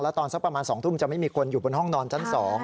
ตอนสักประมาณ๒ทุ่มจะไม่มีคนอยู่บนห้องนอนชั้น๒